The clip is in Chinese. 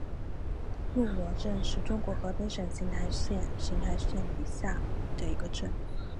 路罗镇是中国河北省邢台市邢台县下辖的一个镇。